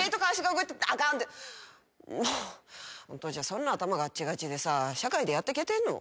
もうお父ちゃんそんな頭がっちがちでさ社会でやってけてんの？